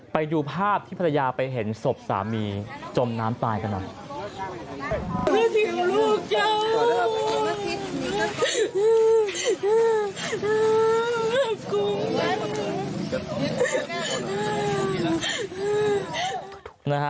ไปดูภาพที่ภรรยาไปเห็นศพสามีจมน้ำตายกันหน่อย